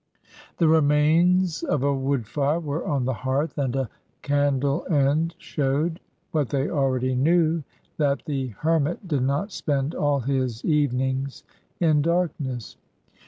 The remains of a wood fire were on the hearth, and a candle end showed (what they already knew) that the hermit did not spend all his evenings in darkness.